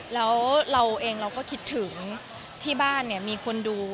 แล้วเราเองเราก็คิดถึงที่บ้านเนี่ยมีคนดู